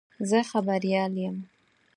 زه خبریال یم.